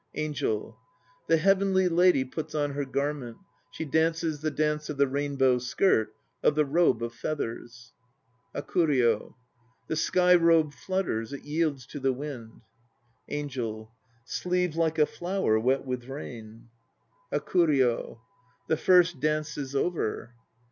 ANGEL. The heavenly lady puts on her garment, She dances the dance of the Rainbow Skirt, of the Robe of Feathers. HAKURYO. The sky robe flutters; it yields to the wind. ANGEL. Sleeve like a flower wet with rain ... HAKURYO. The first dance is over.